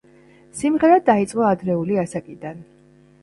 სიმღერა დაიწყო ადრეული ასაკიდან.